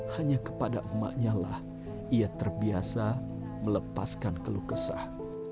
hanya kepada emaknya lah ia terbiasa melepaskan keluh kesah